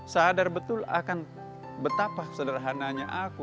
sadar betul akan betapa sederhananya aku